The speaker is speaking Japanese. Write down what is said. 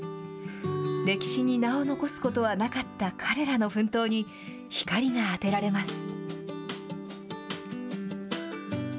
歴史に名を残すことはなかった彼らの奮闘に、光が当てられます。